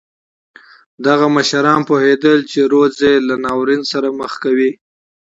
دغه مشران پوهېدل چې رودز یې له ناورین سره مخ کوي.